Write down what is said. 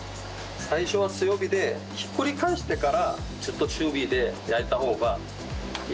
最初は強火でひっくり返してからちょっと中火で焼いた方がいいです。